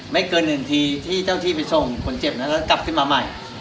เกินหนึ่งทีที่เจ้าที่ไปส่งคนเจ็บนั้นแล้วกลับขึ้นมาใหม่